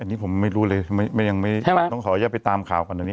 อันนี้ผมไม่รู้เลยต้องขออนุญาตไปตามข่าวก่อนเดี๋ยวนี้